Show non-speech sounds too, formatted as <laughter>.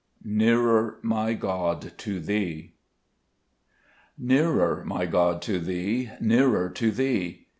"] \2 Nearer, ms <sofc> t to Ubee* NEARER, my God, to Thee, Nearer to Thee